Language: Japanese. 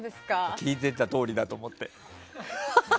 聞いてたとおりだと思って。